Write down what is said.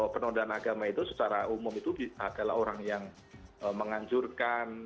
penodaan agama itu secara umum itu adalah orang yang menganjurkan